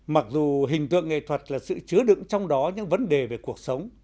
mặc dù hình tượng nghệ thuật là sự chứa đựng trong đó những vấn đề về cuộc sống